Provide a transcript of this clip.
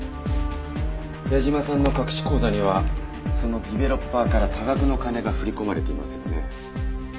矢島さんの隠し口座にはそのディベロッパーから多額の金が振り込まれていますよね。